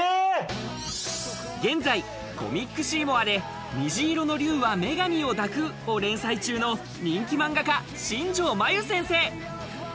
現在コミックシーモアで『虹色の龍は女神を抱く』を連載中の人気漫画家・新條まゆ先生。